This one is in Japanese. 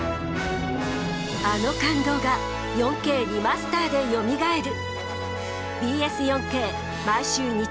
あの感動が４Ｋリマスターでよみがえる！